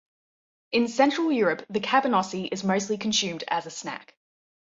In central Europe, the cabanossi is mostly consumed as a snack.